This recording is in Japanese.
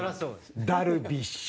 ダルビッシュ。